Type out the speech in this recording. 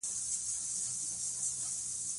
په افغانستان کې د زردالو لپاره طبیعي شرایط مناسب دي.